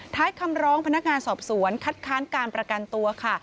ท้ายคำร้องพนักงานสอบสวนคัดค้านการประกันตัวค่ะ